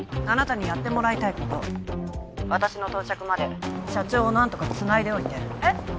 あなたにやってもらいたいこと☎私の到着まで社長を何とかつないでおいて☎えっ？